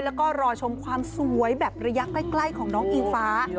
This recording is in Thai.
แล้วก็รอชมความสวยแบบระยะใกล้ของน้องอิงฟ้า